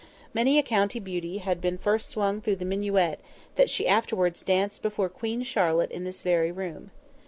Many a county beauty had first swung through the minuet that she afterwards danced before Queen Charlotte in this very room.